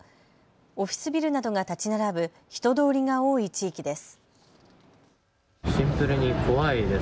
オフィスビルなどが建ち並ぶ人通りが多い地域です。